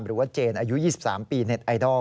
หรือว่าเจนอายุ๒๓ปีเน็ตไอดอล